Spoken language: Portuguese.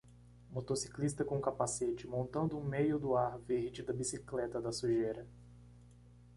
Motociclista com capacete, montando um meio do ar verde da bicicleta da sujeira.